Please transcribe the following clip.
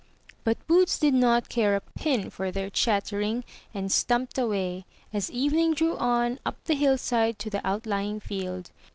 '* But Boots did not care a pin for their chattering, and stumped away, as evening drew on, up the hill side to the outlying field.